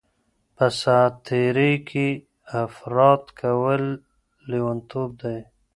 په ساعت تیرۍ کي افراط کول لیونتوب دی.